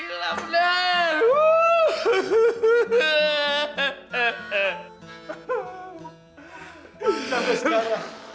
gila bener sekarang